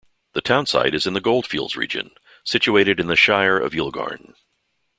The townsite is in the goldfields region, situated in the Shire of Yilgarn.